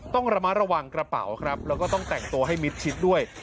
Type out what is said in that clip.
ต้องระมัดระวังกระเป๋าครับแล้วก็ต้องแต่งตัวให้มิดชิดด้วย